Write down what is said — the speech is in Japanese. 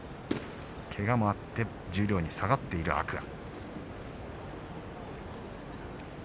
けがもあって十両に下がっている天空海。